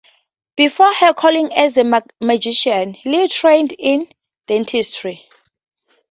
Before her calling as a magician, Lee trained in dentistry.